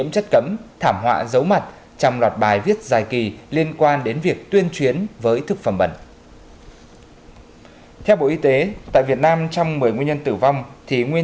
tích cực tham gia hiến máu tỉnh nguyện phục vụ điều trị cứu người